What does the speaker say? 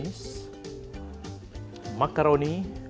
terus kita masukin sayuran